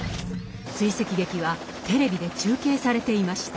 追跡劇はテレビで中継されていました。